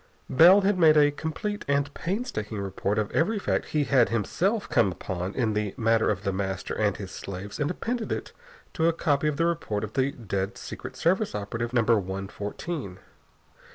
Bell had made a complete and painstaking report of every fact he had himself come upon in the matter of The Master and his slaves and appended to it a copy of the report of the dead Secret Service operative Number One Fourteen.